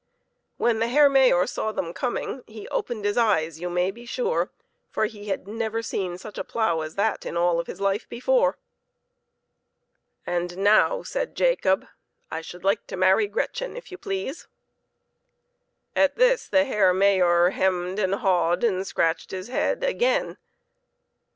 When the Herr Mayor saw them coming he opened his eyes, you may be sure, for he had never seen such a plough as that in all of his life before. "And now," said Jacob, "I should like to marry Gretchen, if you please." At this the Herr Mayor hemmed and hawed and scratched his head again.